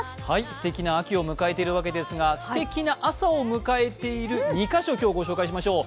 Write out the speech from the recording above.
すてきな秋を迎えているわけですが、すてきな朝を迎えている２カ所を今日、ご紹介しましょう。